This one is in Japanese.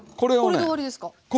これで終わりです。